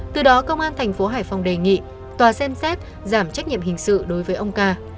từ đó công an thành phố hải phòng đề nghị tòa xem xét giảm trách nhiệm hình sự đối với ông ca